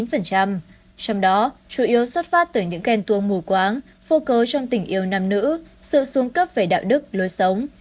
trong đó chủ yếu xuất phát từ những ghen tuông mù quáng phô cớ trong tình yêu nam nữ sự xuống cấp về đạo đức lối sống